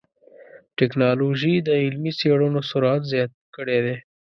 ټکنالوجي د علمي څېړنو سرعت زیات کړی دی.